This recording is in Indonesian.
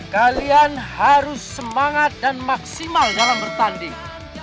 kalian harus semangat dan maksimal dalam bertanding